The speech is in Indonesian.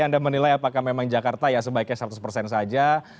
anda menilai apakah memang jakarta ya sebaiknya seratus persen saja